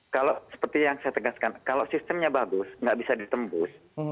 kalau seperti yang saya tegaskan kalau sistemnya bagus nggak bisa ditembus